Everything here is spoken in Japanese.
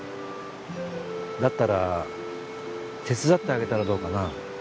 だったら手伝ってあげたらどうかな？